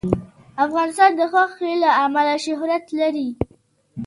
افغانستان د غوښې له امله شهرت لري.